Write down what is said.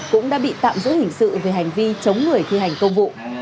cũng đã bị tạm giữ hình sự về hành vi chống người thi hành công vụ